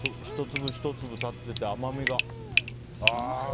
１粒１粒立ってて甘みが。